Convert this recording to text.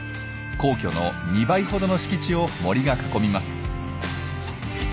皇居の２倍ほどの敷地を森が囲みます。